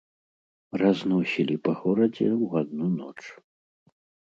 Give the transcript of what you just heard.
Разносілі па горадзе ў адну ноч.